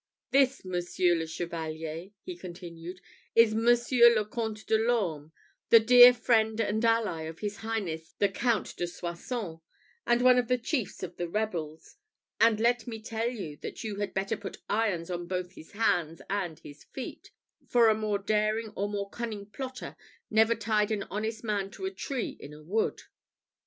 "This, Monsieur le Chevalier," he continued, "is Monsieur le Comte de l'Orme, the dear friend and ally of his highness the Count de Soissons, and one of the chiefs of the rebels; and let me tell you that you had better put irons on both his hands and his feet, for a more daring or more cunning plotter never tied an honest man to a tree in a wood."